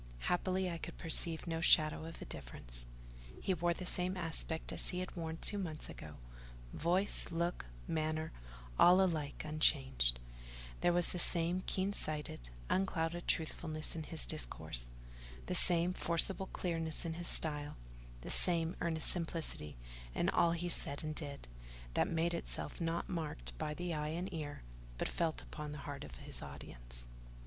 Happily I could perceive no shadow of a difference: he wore the same aspect as he had worn two months ago—voice, look, manner, all alike unchanged: there was the same keen sighted, unclouded truthfulness in his discourse, the same forcible clearness in his style, the same earnest simplicity in all he said and did, that made itself, not marked by the eye and ear, but felt upon the hearts of his audience.